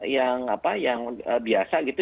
yang apa yang biasa gitu